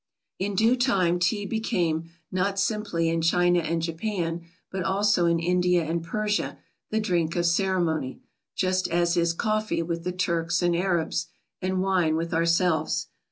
In due time Tea became, not simply in China and Japan, but also in India and Persia, the drink of ceremony, just as is coffee with the Turks and Arabs, and wine with ourselves.